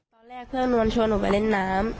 เพื่อนนวลชวนหนูไปเล่นน้ำ